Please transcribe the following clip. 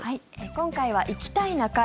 今回は「行きたいな会」。